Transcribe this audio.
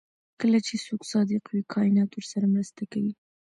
کله چې څوک صادق وي کائنات ورسره مرسته کوي.